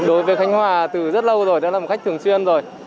đối với khánh hòa từ rất lâu rồi đã là một khách thường xuyên rồi